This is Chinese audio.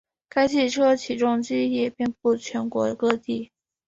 该汽车起重机也遍布全国各地。